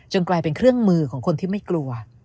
กลายเป็นเครื่องมือของคนที่ไม่กลัว